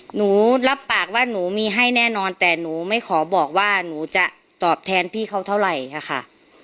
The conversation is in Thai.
หนูรับปากว่าหนูมีให้แน่นอนแต่หนูไม่ขอบอกว่าหนูจะตอบแทนพี่เขาเท่าไหร่ค่ะ